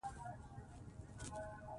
افغانستان د تاریخ په اړه علمي څېړنې لري.